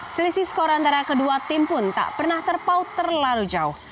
selisih skor antara kedua tim pun tak pernah terpaut terlalu jauh